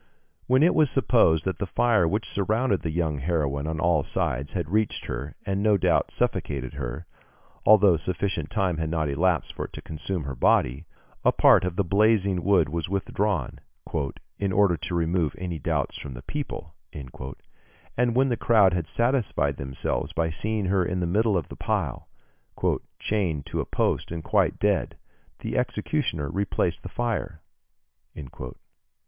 When it was supposed that the fire which surrounded the young heroine on all sides had reached her and no doubt suffocated her, although sufficient time had not elapsed for it to consume her body, a part of the blazing wood was withdrawn, "in order to remove any doubts from the people," and when the crowd had satisfied themselves by seeing her in the middle of the pile, "chained to the post and quite dead, the executioner replaced the fire...."